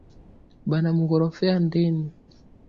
Bana mugorofea ndeni